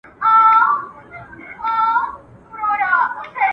هغه وويل چي امن وساتئ.